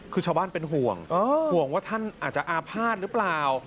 คือชาวบ้านเป็นห่วงห่วงว่าท่านอาจจะอาภาษณ์หรือเปล่า